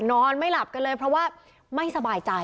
นอนไม่หลับกันเลยเพราะว่าไม่สบายใจ